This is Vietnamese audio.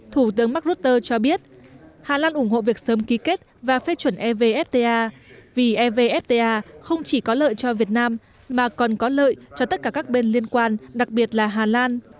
thủ tướng mark rutter cho biết hà lan ủng hộ việc sớm ký kết và phê chuẩn evfta vì evfta không chỉ có lợi cho việt nam mà còn có lợi cho tất cả các bên liên quan đặc biệt là hà lan